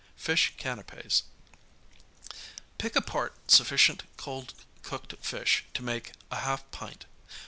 Fish Canapķs Pick apart sufficient cold cooked fish to make a half pint.